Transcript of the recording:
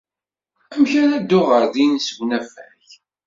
Amek ara dduɣ ɣer din seg unafag?